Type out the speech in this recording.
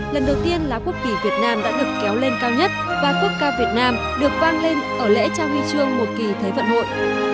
lần đầu tiên lá quốc kỳ việt nam đã được kéo lên cao nhất và quốc ca việt nam được vang lên ở lễ trao huy chương một kỳ thế vận hội